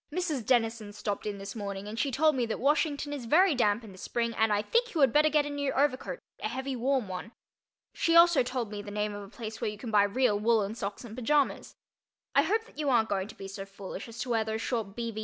Mrs. Dennison stopped in this morning and she told me that Washington is very damp in the spring and I think you had better get a new overcoat—a heavy warm one. She also told me the name of a place where you can buy real woolen socks and pajamas. I hope that you aren't going to be so foolish as to wear those short B. V. D.